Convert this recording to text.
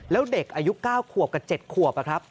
แล้วเด็กอายุ๙ขวบกับ๗ขวบ